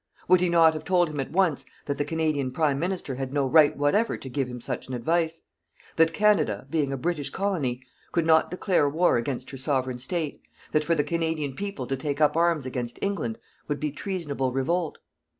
Would he not have told him at once that the Canadian Prime Minister had no right whatever to give him such an advice; that Canada, being a British Colony, could not declare war against her Sovereign State; that for the Canadian people to take up arms against England would be treasonable revolt?